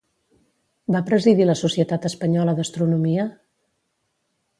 Va presidir la Societat Espanyola d'Astronomia?